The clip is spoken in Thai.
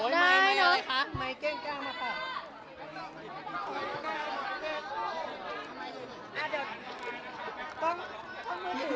ได้เนอะ